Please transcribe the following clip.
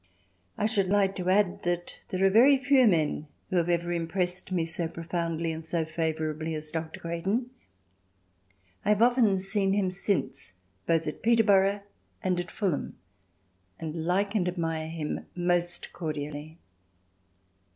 I should like to add that there are very few men who have ever impressed me so profoundly and so favourably as Dr. Creighton. I have often seen him since, both at Peterborough and at Fulham, and like and admire him most cordially.